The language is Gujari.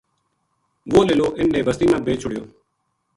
وہ لیلو اِن نے بستی ما بیچ چھڑیو